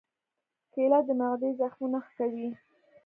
کېله د معدې زخمونه ښه کوي.